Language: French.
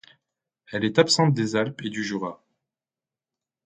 Elle est absente des Alpes et du Jura.